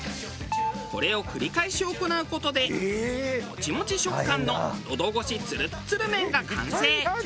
これを繰り返し行う事でもちもち食感ののど越しツルッツル麺が完成。